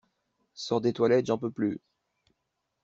Sors des toilettes, j'en peux plus!